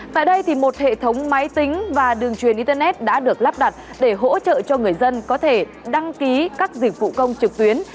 tại đây một hệ thống máy tính và đường truyền internet đã được lắp đặt để hỗ trợ cho người dân có thể đăng ký các dịch vụ công trực tuyến